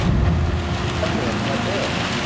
ประเจิดประเจ้อ